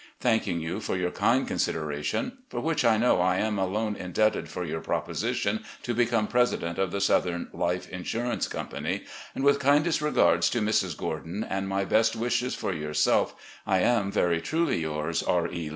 Thanking you for your kind consideration, for which I know I am alone indebted for your proposition to become president of the Southern Life Insurance Company, and with kindest regards to Mrs. Gordon and my best wishes for yourself, I am, "Very truly yours, "R. E.